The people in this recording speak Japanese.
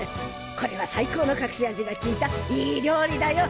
これは最高のかくし味がきいたいい料理だよ。